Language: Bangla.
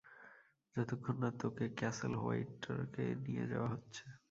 যতক্ষণ না তোকে ক্যাসেল হোয়াইটরকে নিয়ে যাওয়া হচ্ছে।